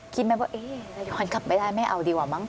คิดมั้ยว่านายก่อนกลับไปได้ไม่เอาดีกว่ามั้ง